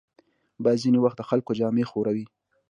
باد ځینې وخت د خلکو جامې ښوروي